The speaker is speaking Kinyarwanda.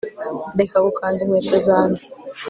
Reka gukanda inkweto zanjye